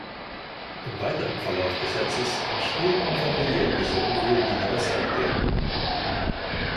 Im weiteren Verlauf des Satzes umspielt und variiert die Solovioline das Hauptthema.